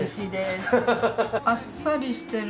あっさりしてる。